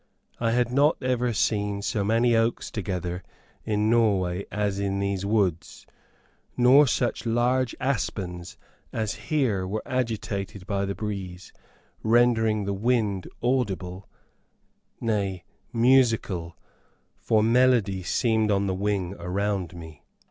I had not ever seen so many oaks together in Norway as in these woods, nor such large aspens as here were agitated by the breeze, rendering the wind audible nay musical; for melody seemed on the wing around me.